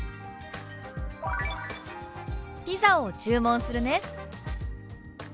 「ピザを注文するね」。